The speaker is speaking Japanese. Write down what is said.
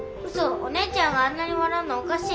お姉ちゃんがあんなにわらうのおかしい。